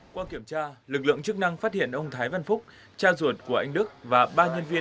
qua kiểm tra lực lượng chức năng phát hiện ông thái văn phúc cha ruột của anh đức và ba nhân viên